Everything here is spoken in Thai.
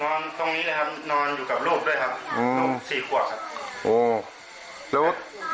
นอนตรงนี้เลยครับนอนอยู่กับลูกด้วยครับลูกสี่ขวดครับ